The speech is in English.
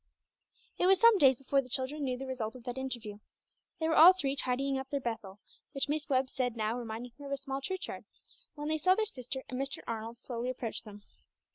It was some days before the children knew the result of that interview. They were all three tidying up their "Bethel," which Miss Webb said now reminded her of a small church yard, when they saw their sister and Mr. Arnold slowly approach them.